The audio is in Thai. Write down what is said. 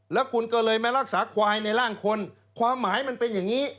แล้วคุณก็เลยมารักษาควายในร่างคนความหมายมันเป็นอย่างนี้